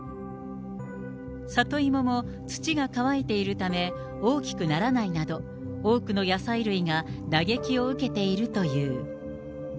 里芋も土が乾いているため、大きくならないなど、多くの野菜類が打撃を受けているという。